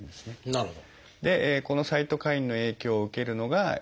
なるほど。